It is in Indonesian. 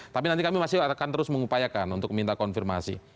tapi nanti kami masih akan terus mengupayakan untuk minta konfirmasi